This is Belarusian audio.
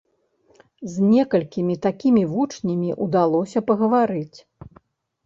З некалькімі такімі вучнямі ўдалося пагаварыць.